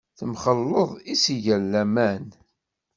Temxelleḍ i s-igan laman.